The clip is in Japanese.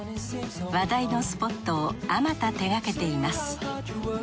話題のスポットをあまた手がけています。